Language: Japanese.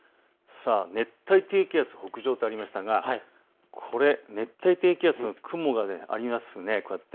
熱帯低気圧、北上とありましたがこれ熱帯低気圧の雲がありますね。